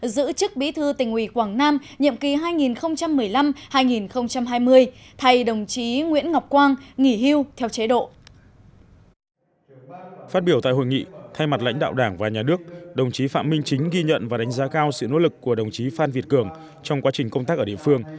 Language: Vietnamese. giữ chức bí thư tỉnh ủy quảng nam nhiệm kỳ hai nghìn một mươi năm hai nghìn hai mươi thay đồng chí nguyễn ngọc quang nghỉ hưu theo chế độ